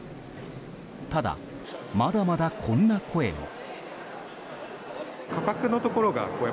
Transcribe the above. ただ、まだまだこんな声も。